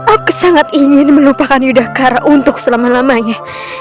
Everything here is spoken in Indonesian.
aku sangat ingin melupakan yudhacara untuk selama lamanya